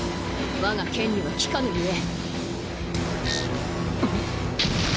わが剣には効かぬゆえ。